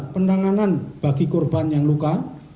penanganan bagi korban yang luka